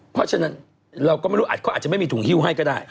เพราะฉะนั้นเราก็ไม่รู้เขาอาจจะไม่มีถุงฮิ้วให้ก็ได้